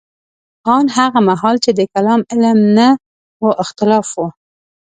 ان هغه مهال چې د کلام علم نه و اختلاف وو.